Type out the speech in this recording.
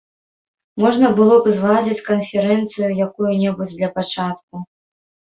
Можна было б зладзіць канферэнцыю якую-небудзь для пачатку.